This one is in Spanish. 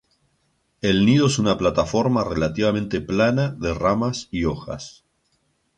El nido es una plataforma relativamente plana de ramas y hojas.